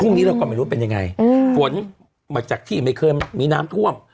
นี้เราก็ไม่รู้เป็นยังไงฝนมาจากที่ไม่เคยมีน้ำท่วม